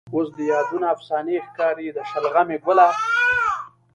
اوس د یادونه افسانې ښکاري. د شلغمې ګله